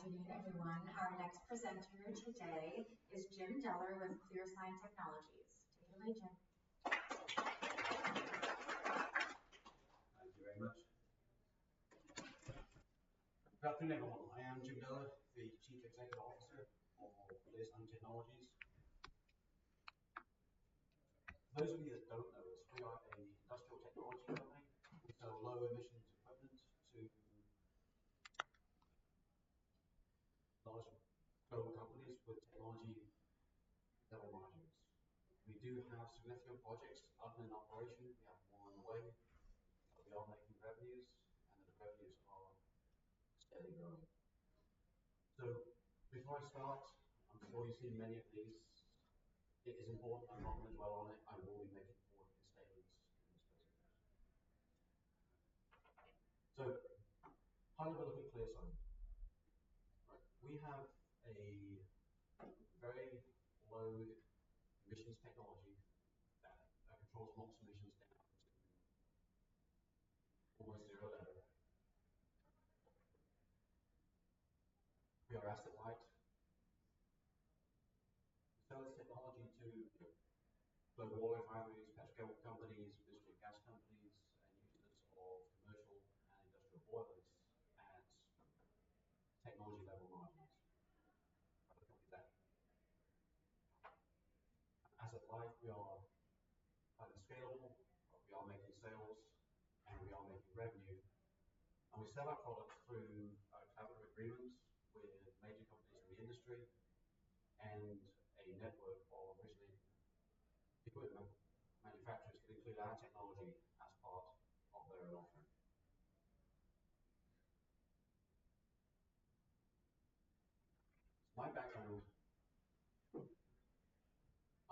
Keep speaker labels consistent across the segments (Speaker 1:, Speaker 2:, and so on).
Speaker 1: Good afternoon, everyone. Our next presenter today is Jim Deller with ClearSign Technologies. Take it away, Jim.
Speaker 2: Thank you very much. Good afternoon, everyone. I am Jim Deller, the Chief Executive Officer of ClearSign Technologies. For those of you that don't know us, we are an industrial technology company. We sell low-emissions equipment to large global companies with technology that will margins. We do have significant projects up and in operation. We have more on the way. We are making revenues, and the revenues are steadily growing. Before I start, I'm sure you've seen many of these. It is important. I'm not going to dwell on it. I will be making more of these statements in this presentation. How do we look at ClearSign? We have a very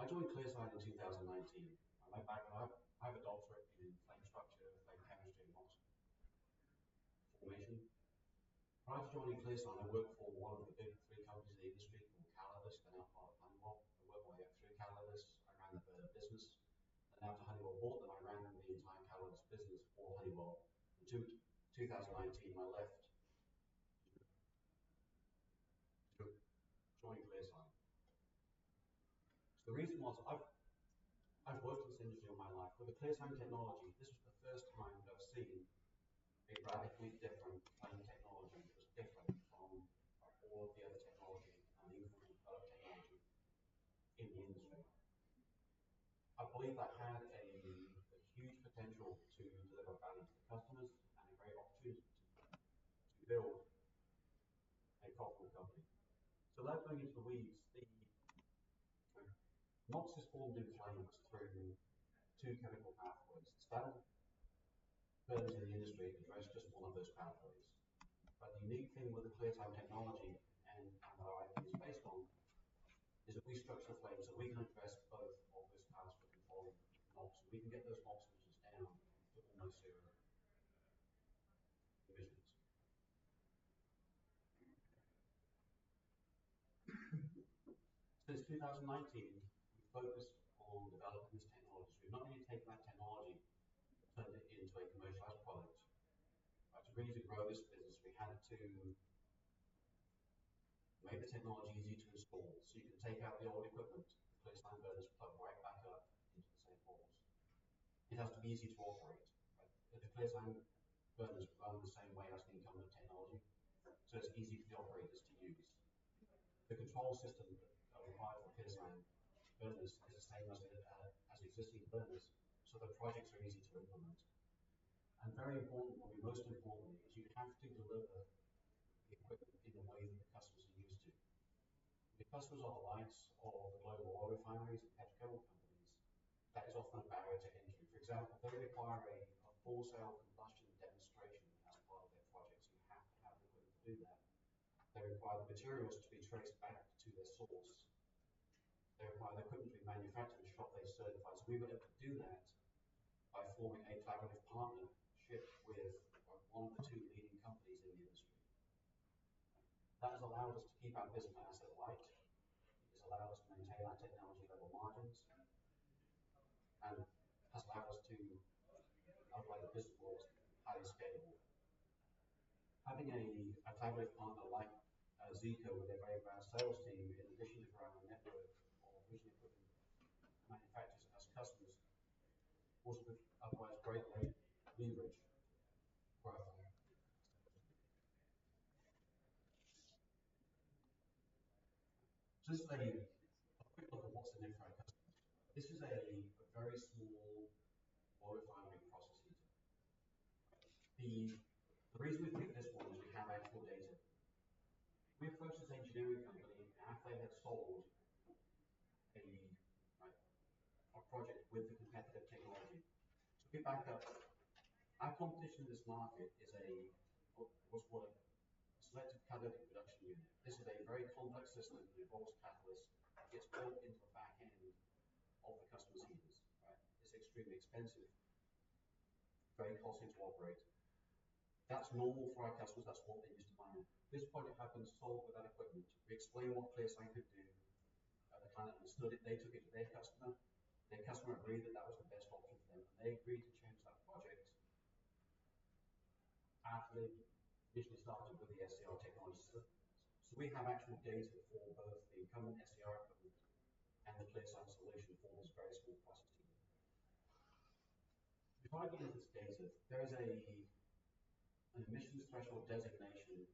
Speaker 2: collaborative agreements with major companies in the industry and a network of original equipment manufacturers that include our technology as part of their offering. My background: I joined ClearSign in 2019. My background: I have a doctorate in flame structure, flame chemistry, and rock formation. Prior to joining ClearSign, I worked for one of the big three companies in the industry called Callidus that are now part of Honeywell. I worked for three Callidus around the business. I'm now to Honeywell Port, and I ran the entire Callidus business for Honeywell. In 2019, I left to join ClearSign. The reason was I've worked in this industry all my life. With the ClearSign technology, this was the first time that I've seen a radically different flame technology that was different from all the other technology and the increase of other technology in the industry. I believe that had a huge potential to deliver value to the customers and a great opportunity to build a profitable company. Without going into the weeds, the NOx forms in flames through two chemical pathways. Some firms in the industry address just one of those pathways. The unique thing with the ClearSign technology and our ideas based on is that we structure flames so we can address both of those paths for controlling NOx and we can get those maximums down to almost zero emissions. Since 2019, we've focused on developing this technology. We've not only taken that technology, turned it into a commercialized product. To really grow this business, we had to make the technology easy to install. You can take out the old equipment, replace the old burners, plug right back up into the same ports. It has to be easy to operate. The ClearSign burners run the same way as the incumbent technology, so it's easy for the operators to use. The control system that we have for ClearSign burners is the same as existing burners, so the projects are easy to implement. Very importantly, most importantly, is you have to deliver the equipment in a way that the customers are used to. The customers are the likes of the global oil refineries and petrochemical companies. That is often a barrier to entry. For example, they require a full cell combustion demonstration as part of their projects. You have to have the equipment to do that. They require the materials to be traced back to their source. They require the equipment to be manufactured in a shop they certify. We were able to do that by forming a collaborative partnership with one of the two leading companies in the industry. That has allowed us to keep our business asset-light. It has allowed us to maintain our technology-level margins and has allowed us to operate the business world highly scalable. Having a collaborative partner like Zeeco with their very vast sales team, in addition to growing our network of original equipment manufacturers as customers, also provides great lean rich growth. Just a quick look at what's in there for our customers. This is a very small oil refinery process heater. The reason we picked this one is we have actual data. We approached this engineering company after they had sold a project with the competitive technology. To pick back up, our competition in this market is what's called a selective catalytic reduction unit. This is a very complex system that involves catalysts. It gets built into the back end of the customer's heaters. It's extremely expensive, very costly to operate. That's normal for our customers. That's what they used to buy in. This project happened sold with that equipment. We explained what ClearSign could do. The client understood it. They took it to their customer. Their customer agreed that that was the best option for them, and they agreed to change that project after they initially started with the SCR technology. We have actual data for both the incumbent SCR equipment and the ClearSign solution for this very small process team. Before I get into this data, there is an emissions threshold designation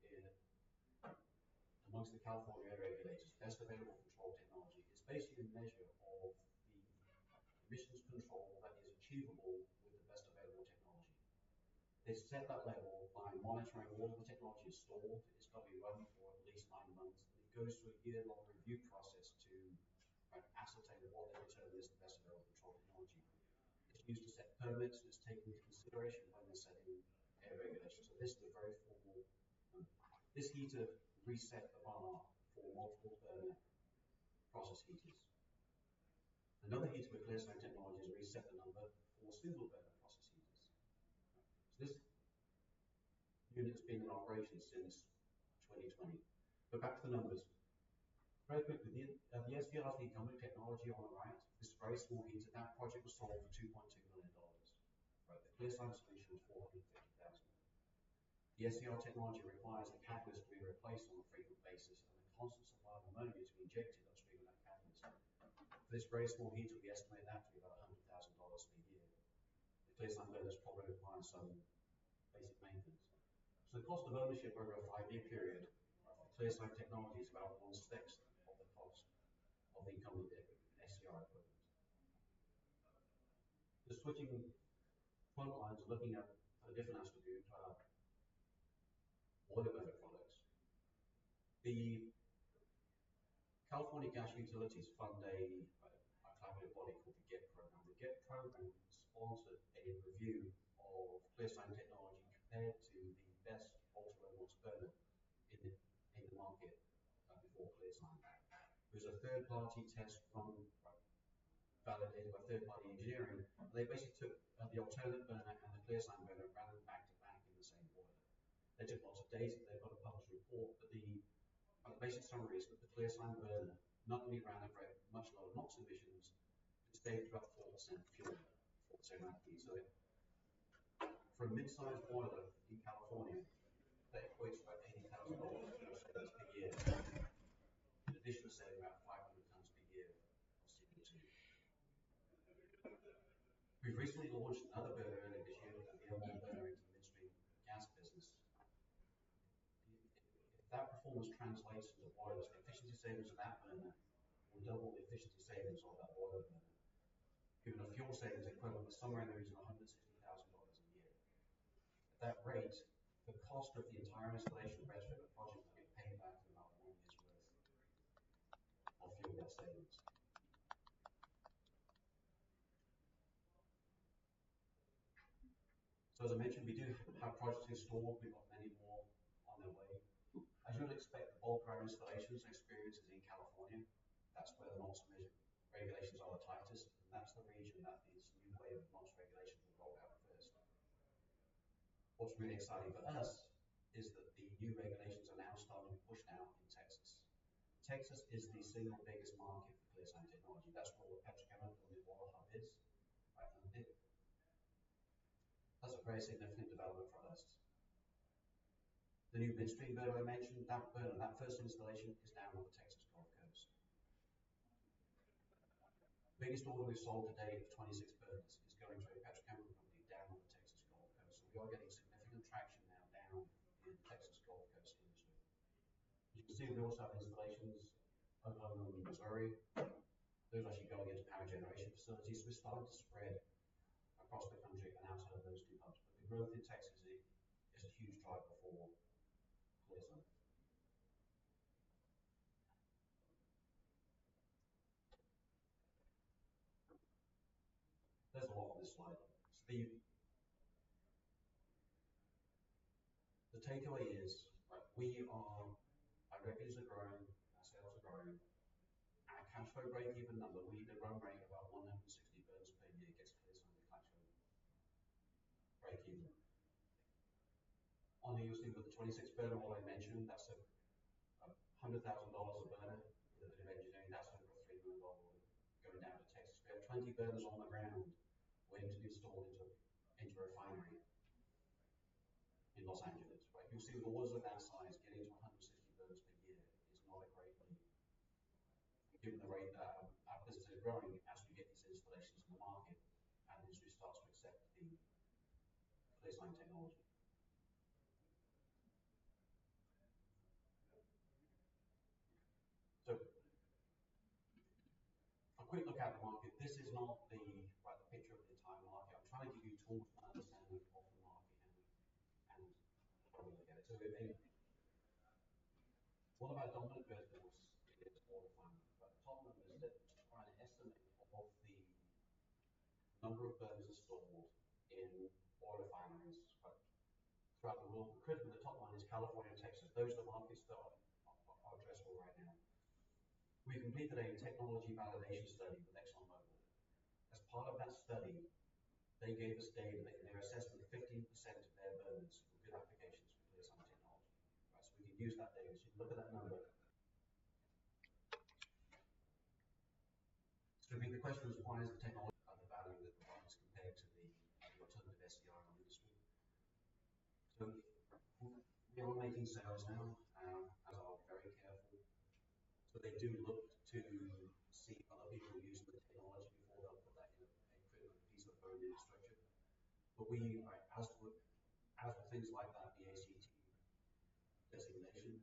Speaker 2: amongst the California air regulators, best available control technology. It's basically a measure of the emissions control that is achievable with the best available technology. They set that level by monitoring all of the technology installed. It's got to be run for at least nine months. It goes through a year-long review process to ascertain what they determine is the best available control technology. It's used to set permits, and it's taken into consideration when they're setting air regulations. This is a very formal number. This heater resets the bar for multiple burner process heaters. Another heater with ClearSign technology has reset the number for single burner process heaters. This unit has been in operation since 2020. Back to the numbers. Very quickly, the SCR's the incumbent technology on the right. This is a very small heater. That project was sold for $2.2 million. The ClearSign solution was $450,000. The SCR technology requires the catalyst to be replaced on a frequent basis and the constant supply of ammonia to be injected upstream of that catalyst. For this very small heater, we estimate that to be about $100,000 per year. The ClearSign burners probably require some basic maintenance. So the cost of ownership over a five-year period of ClearSign technology is about one-sixth of the cost of the incumbent SCR equipment. The switching front lines are looking at a different attribute: oil and other products. The California Gas Utilities fund a collaborative body called the GET program. The GET program sponsored a review of ClearSign technology compared to the best alternate NOx burner in the market before ClearSign. There was a third-party test run validated by third-party engineering. They basically took the alternate burner and the ClearSign burner and ran them back to back in the same order. They took lots of data. They've got a published report. The basic summary is that the ClearSign burner not only ran at much lower NOx emissions, it saved about 4% fuel efficiency. For a mid-sized boiler in California, that equates to about $80,000 fuel savings per year, in addition to saving about 500 tons per year of CO2. We've recently launched another burner in this unit that will be a new burner into the midstream gas business. If that performance translates into boilers, the efficiency savings of that burner will double the efficiency savings of that boiler burner, giving a fuel savings equivalent to somewhere in the region of $160,000 a year. At that rate, the cost of the entire installation of that particular project will get paid back to about one year's worth of fuel gas savings. As I mentioned, we do have projects installed. We've got many more on their way. As you would expect, the bulk of our installations and experience is in California. That's where the NOx regulations are the tightest. That's the region that this new wave of NOx regulations will roll out first. What's really exciting for us is that the new regulations are now starting to push now in Texas. Texas is the single biggest market for ClearSign technology. That's where all the petrochemical and oil hub is. That's a very significant development for us. The new midstream burner I mentioned, that burner, that first installation is now on the Texas Gulf Coast. The biggest order we've sold to date of 26 burners is going to a petrochemical company down on the Texas Gulf Coast. We are getting significant traction now down in the Texas Gulf Coast industry. You can see we also have installations over in Missouri. Those are actually going into power generation facilities. We're starting to spread across the country and outside of those two hubs. The growth in Texas is a huge driver for ClearSign. There's a lot on this slide. The takeaway is our revenues are growing, our sales are growing, and our catch rate break-even number, we need to run rate at about 160 burners per year against ClearSign's catch rate break-even. On the east end of the 26 burner one I mentioned, that's $100,000 a burner. With a bit of engineering, that's over $3 million going down to Texas. We have 20 burners on the ground. We're installing into a refinery in Los Angeles. You'll see boilers of that size getting to 160 burners per year is not a great deal, given the rate that our business is growing as we get these installations in the market and the industry starts to accept the ClearSign technology. A quick look at the market. This is not the picture of the entire market. I'm trying to give you tools to understand the market and what we're looking at. One of our dominant burners is oil refineries. The top one is to try and estimate what the number of burners are stored in oil refineries throughout the world. The top one is California and Texas. Those are the markets that are addressable right now. We completed a technology validation study with ExxonMobil. As part of that study, they gave us data that in their assessment, 15% of their burners were good applications for ClearSign technology. We can use that data. You can look at that number. The question is, why is the technology of the value that provides compared to the alternative SCR in the industry? We are making sales now. Are very careful. They do look to see other people using the technology before they'll put that in a critical piece of the burn infrastructure. As for things like that, the BACT designation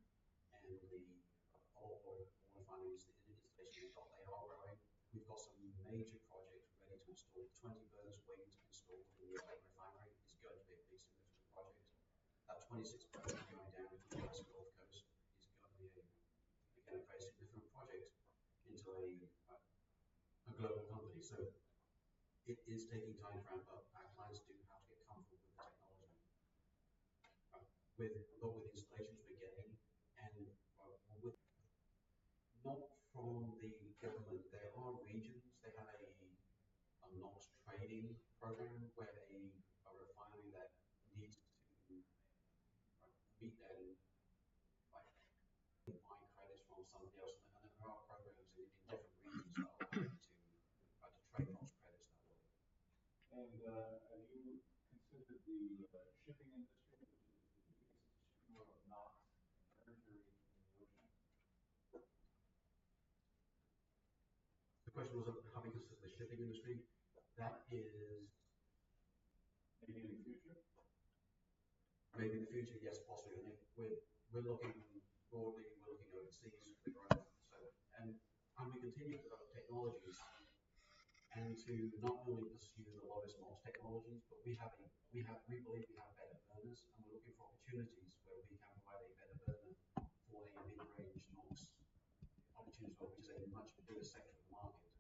Speaker 2: and the oil refineries, the hidden installation, we thought they are growing. We've got some major projects ready to install. The 20 burners waiting to be installed in the Atlantic refinery is going to be a big significant project. That 26 burners going down to the U.S. Gulf Coast is going to be a very significant project into a global company. It is taking time for our clients to have to get comfortable with the technology, not with installations we're getting and not from the government. There are regions. They have a NOx trading program where a refinery that needs to meet their requirements, they buy credits from somebody else. There are programs in different regions that allow them to trade NOx credits that way. Have you considered the shipping industry? Is it too much mercury in the ocean? The question was, have we considered the shipping industry? That is maybe in the future. Maybe in the future, yes, possibly. We're looking broadly. We're looking overseas for the growth. We continue to develop technologies and to not only pursue the lowest NOx technologies, but we believe we have better burners. We're looking for opportunities where we can provide a better burner for a mid-range NOx opportunity, which is a much bigger sector of the market.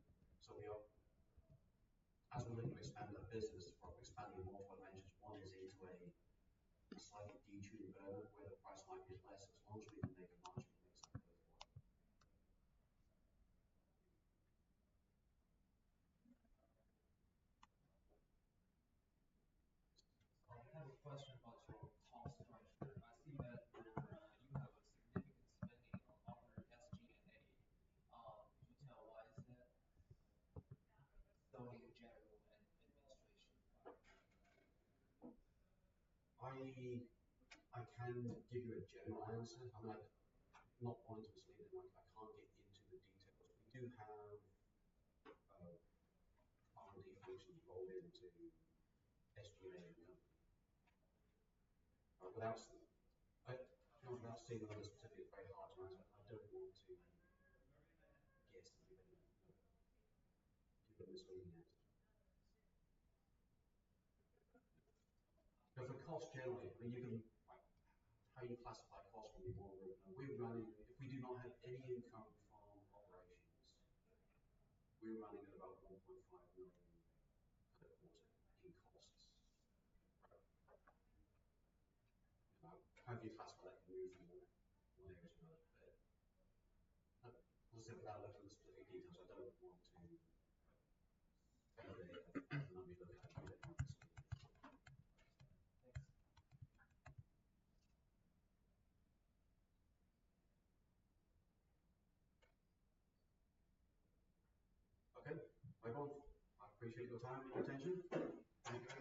Speaker 2: As we look to expand our business, we're expanding in multiple dimensions. One is into a slightly detuned burner where the price might be less as long as we can make a margin based on the required. I do have a question about your cost. I see that you have a significant spending on modern SG&A. Can you tell why is that? Building general and administration. I can give you a general answer. I'm not going to explain it. I can't get into the details. We do have R&D functions rolled into SG&A. Without seeing the numbers specifically, it's very hard to answer. I don't want to get into giving a misleading answer. As for cost generally, how you classify cost when you boil the revenue, if we do not have any income from operations, we're running at about $1.5 million a quarter in costs. However you classify that can move from one area to another. Obviously, I'm not going to look into specific details. I don't want to fail there and not be looking at your requirements. Okay. I appreciate your time and your attention. Thank you very much.